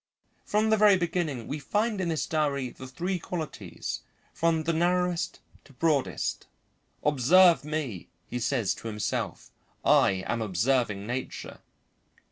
From the very beginning we find in this diary the three qualities, from the narrowest to broadest. "Observe me," he says to himself, "I am observing nature."